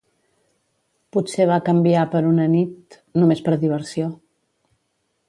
Potser va canviar per una nit... només per diversió.